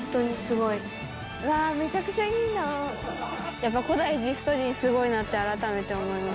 やっぱ古代エジプト人すごいなって改めて思います。